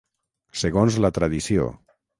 Segons la tradició.